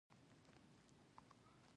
د ډاکټر نجیب الله تر سقوط وروسته.